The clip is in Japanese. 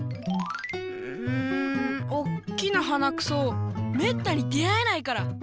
うんおっきなはなくそめったに出会えないから！